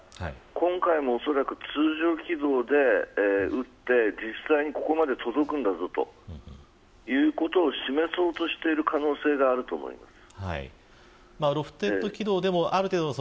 今回も恐らく通常軌道で撃って実際にここまで届くんだぞということを示そうとしている可能性があると思います。